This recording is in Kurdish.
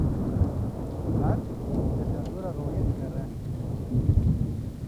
Erd li derdora royê digere.